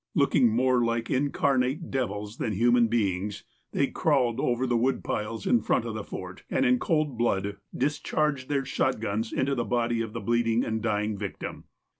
Looking more like incarnate devils than human beings, they crawled over the wood piles in front of the Fort, and, in cold blood, discharged their shotguns into the body of the bleeding and dying victim.